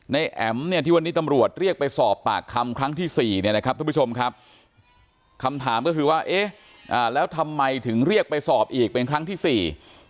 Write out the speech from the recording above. ในแอ๋มที่วันนี้ตำรวจเรียกไปสอบปากคำครั้งที่๔คำถามก็คือว่าแล้วทำไมถึงเรียกไปสอบอีกเป็นครั้งที่๔